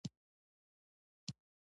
بدرنګه عمل خدای ته ناخوښه وي